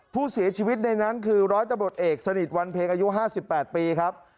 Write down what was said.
ผู้เสียชีวิตในนั้นคือร้อยตำรวจเอกสนิทวันเพลงอายุ๕๘ปีครับ